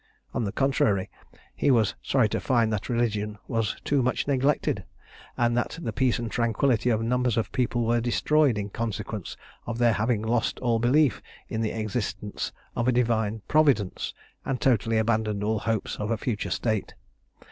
On the contrary, he was sorry to find that religion was too much neglected, and that the peace and tranquillity of numbers of people were destroyed in consequence of their having lost all belief of the existence of a Divine Providence, and totally abandoned all hopes of a future state.